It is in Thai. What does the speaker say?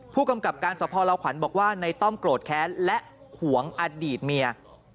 ผู้กำกับการสภลาวขวัญบอกว่าในต้อมโกรธแค้นและห่วงอดีตเมีย